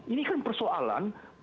ini kan persoalan